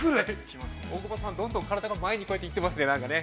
◆大久保さん、どんどん体が前にこうやって行ってますね、なんかね。